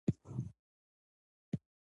ښوونځي د اوږدې مودې راهیسې بدلون منلی و.